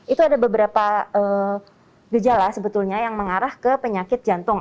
itu ada beberapa gejala sebetulnya yang mengarah ke penyakit jantung